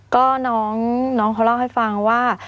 ก็น้องเขาเล่าให้ฟังว่า